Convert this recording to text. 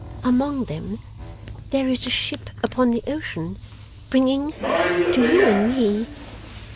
among them...there is a ship upon the ocean...bringing...to you and me...